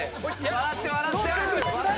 笑って笑って！